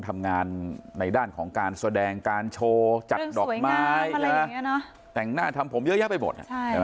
ทำงานในด้านของการแสดงการโชว์จัดดอกไม้แต่งหน้าทำผมเยอะแยะไปหมด